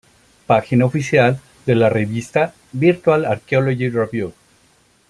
Página oficial de la revista Virtual Archaeology Review